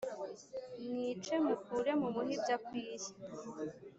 mwice mukure mumuhe ibyo akwiye